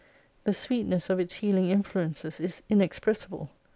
The sweetness of its healing influences is inexpressible.